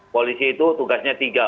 polisi itu tugasnya tiga